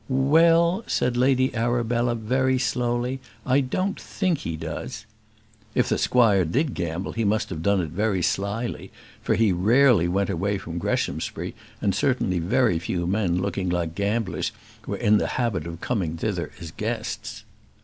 "Well," said Lady Arabella, very slowly, "I don't think he does." If the squire did gamble he must have done it very slyly, for he rarely went away from Greshamsbury, and certainly very few men looking like gamblers were in the habit of coming thither as guests.